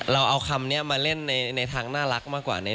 เราเอาคำนี้มาเล่นในทางน่ารักมากกว่า